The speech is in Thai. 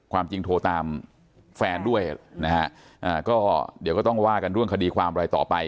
ความจริงโทรตามแฟนด้วยนะฮะก็เดี๋ยวก็ต้องว่ากันเรื่องคดีความอะไรต่อไป